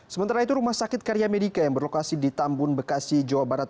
sementara itu rumah sakit karya medica yang berlokasi di tambun bekasi jawa barat